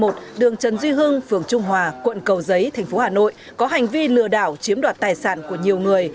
đường trần duy hưng phường trung hòa quận cầu giấy thành phố hà nội có hành vi lừa đảo chiếm đoạt tài sản của nhiều người